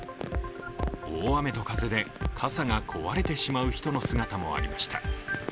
大雨と風で傘が壊れてしまう人の姿もありました。